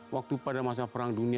waktu pada masa perang dunia